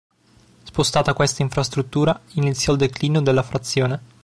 Spostata questa infrastruttura, iniziò il declino della frazione.